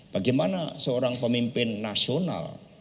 bagaimana seorang pemimpin nasional